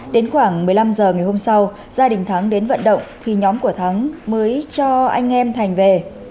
đến khoảng một mươi năm h ngày hôm sau gia đình thắng đến vận động thì nhóm của thắng mới cho anh em thành về